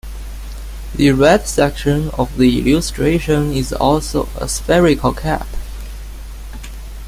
The red section of the illustration is also a spherical cap.